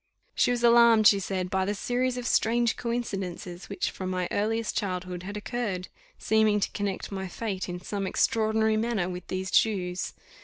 She was alarmed, she said, by the series of strange coincidences which, from my earliest childhood, had occurred, seeming to connect my fate, in some extraordinary manner, with these Jews.